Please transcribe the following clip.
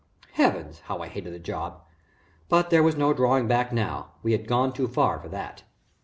Heavens! how I hated the job, but there was no drawing back now! We had gone too far for that.